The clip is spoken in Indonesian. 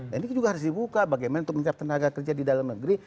dan ini juga harus dibuka bagaimana untuk menyiap tenaga kerja di dalam negeri